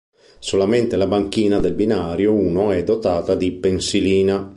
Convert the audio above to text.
Solamente la banchina del binario uno è dotata di pensilina.